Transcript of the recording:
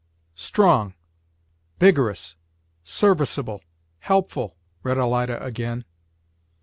"Strong; vigorous; serviceable; helpful," read Alida again.